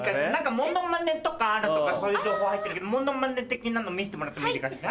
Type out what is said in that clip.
モノマネとかあるとかそういう情報入ってるけどモノマネ的なの見してもらってもいいのかしら？